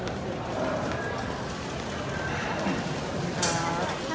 โอเคพิวี่สวัสดีครับ